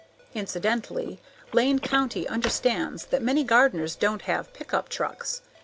Incidentally, Lane County understands that many gardeners don't have pickup trucks.